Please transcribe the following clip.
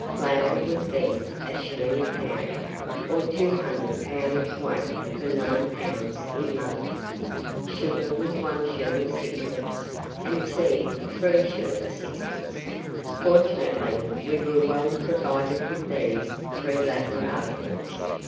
Flour was then a shilling a pound, or two hundred pounds weight for nine pounds in money. Sugar was 1s. 6d., and tea 3s. 6d. Fortunately we were Well provided with these three latter articles.